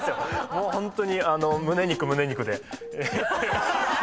もうホントにむね肉むね肉で。